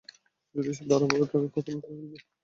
যদি সে ধরা পড়ে, তাকে খতম করে ফেলবে!